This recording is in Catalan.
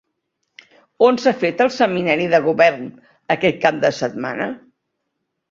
On s'ha fet el seminari de govern aquest cap de setmana?